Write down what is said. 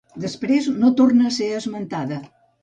Després no torna a ser esmentada.